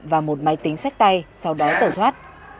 và một máy tính sách tay sau đó tẩu thoát